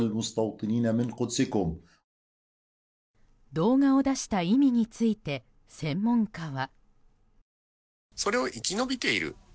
動画を出した意味について専門家は。